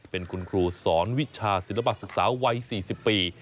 เป็นคุณครูสอนวิชาศิลปศึกษาวัย๔๐ปี